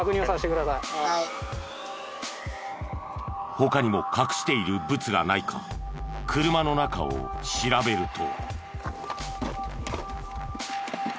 他にも隠しているブツがないか車の中を調べると。